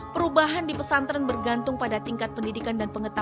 perubahan di pesantren bergantung pada tingkat pendidikan dan pengetahuan